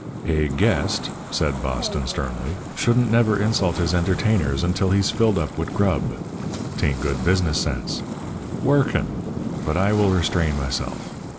"A guest," said Boston, sternly, "shouldn't never insult his entertainers until he's filled up wid grub. 'Tain't good business sense. Workin'! but I will restrain myself.